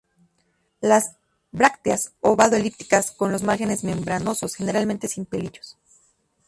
Las brácteas ovado-elípticas, con los márgenes membranosos, generalmente sin pelillos.